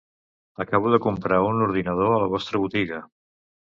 Acabo de comprar un ordinador a la vostra botiga.